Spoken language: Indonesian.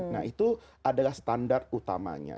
nah itu adalah standar utamanya